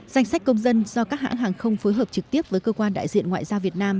danh sách công dân do các hãng hàng không phối hợp trực tiếp với cơ quan đại diện ngoại giao việt nam